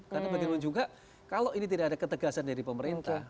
karena bagaimana juga kalau ini tidak ada ketegasan dari pemerintah